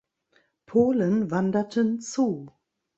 Polen wanderten zu.